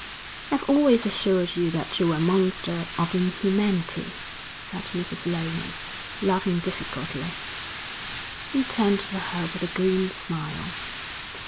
'I've always assured you that you're a monster of inhumanity,' said Mrs. Lomas, laughing difficultly. He turned to her with a grim smile.